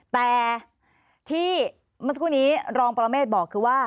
แต่ที่เมื่อสักครู่นี้รองปรเมฆบอกคือว่า